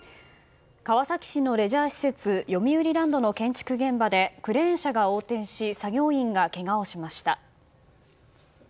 川崎市のレジャー施設よみうりランドの建築現場でクレーン車が横転し作業員がけがをしました。